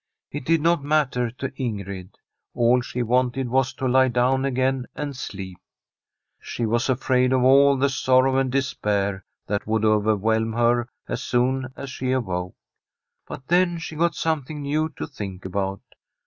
It did not matter to Ingrid ; all she wanted was to lie down again and sleep. She was afraid of all the sorrow and despair that would overwhelm her as soon as she awoke. But then she got something new to think about.